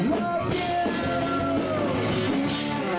นิตอยูโห